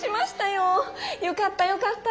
よかったよかった。